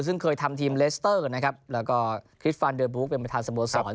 ซึ่งเคยทำทีมเลสเตอร์นะครับแล้วก็คริสฟันเดอร์บุ๊กเป็นประธานสโมสร